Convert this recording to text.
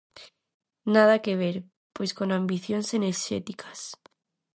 Nada que ver, pois, con ambicións enerxéticas.